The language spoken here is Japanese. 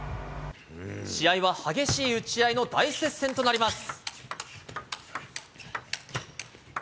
試合は激しい打ち合いの大接戦となります。